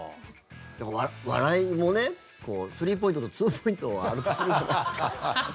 笑いもスリーポイントとツーポイントがあるとするじゃないですか。